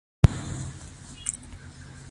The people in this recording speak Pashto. افغانستان کې د انار لپاره دپرمختیا پروګرامونه شته.